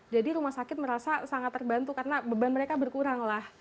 jadi rumah sakit merasa sangat terbantu karena beban mereka berkurang lah